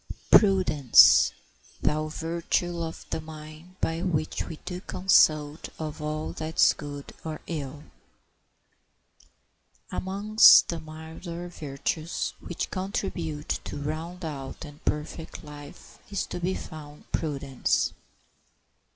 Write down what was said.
] "Prudence, thou virtue of the mind, by which We do consult of all that's good or ill." Amongst the milder virtues which contribute to round out and perfect life is to be found Prudence.